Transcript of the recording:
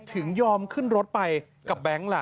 ถึงยอมขึ้นรถไปกับแบงค์ล่ะ